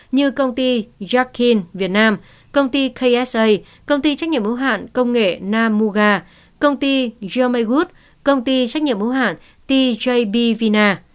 như công ty jackin việt nam công ty ksa công ty trách nhiệm hữu hạn công nghệ nam muga công ty jermagood công ty trách nhiệm hữu hạn tjb vina